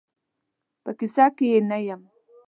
په کیسه کې یې نه یم.